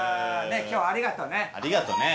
今日ありがとね。